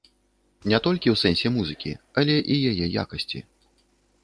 Не толькі у сэнсе музыкі, але і яе якасці.